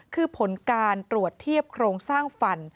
คือผลการตรวจเทียบโครงสร้างฟัน